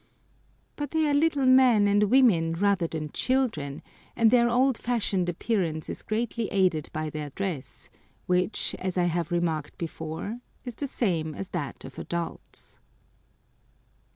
But they are little men and women rather than children, and their old fashioned appearance is greatly aided by their dress, which, as I have remarked before, is the same as that of adults.